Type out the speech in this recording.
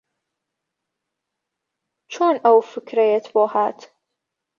چۆن ئەو فکرەیەت بۆ ھات؟